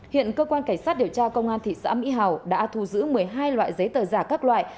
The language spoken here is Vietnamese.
hiện cơ quan cảnh sát điều tra công an thị xã mỹ hào đã thu giữ một mươi hai loại giấy tờ giả các loại